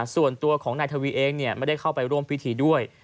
ส่วนตัวของนายทวีเองไม่ได้เข้าไปร่วมพิธีด้วย